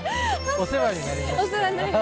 お世話になりました。